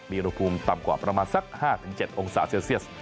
มีอุณหภูมิต่ำกว่าประมาณสัก๕๗องศาเซลเซียส